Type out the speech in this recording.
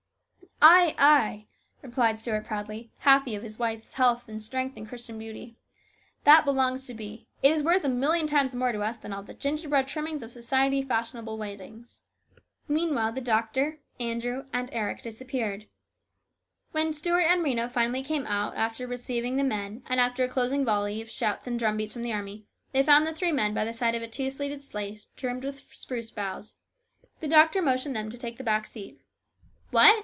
"Ay, ay," replied Stuart proudly, happy of his wife's health and strength and Christian beauty. "' That belongs to be.' It is worth a million times more to us than all the gingerbread trimmings of society fashionable weddings." Meanwhile the doctor, Andrew, and Eric disap peared. When Stuart and Rhena finally came out after receiving the men, and after a closing volley of shouts and drumbeats from the army, they found the three men by the side of a two seated sleigh trimmed with spruce boughs. The doctor motioned them to take the back seat. " What